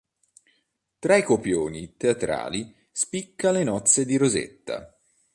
Tra i copioni teatrali spicca "Le nozze di Rosetta".